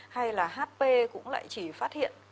hay là hp cũng lại chỉ phát hiện